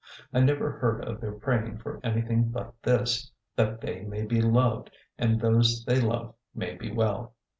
I never heard of their praying for anything but this: that they may be loved, and those they love may be well.